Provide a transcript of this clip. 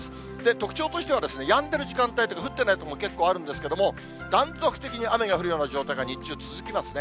特徴としては、やんでる時間帯というか、降ってない所も結構あるんですけど、断続的に雨が降るような状態が日中、続きますね。